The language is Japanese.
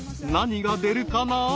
何が出るかな？］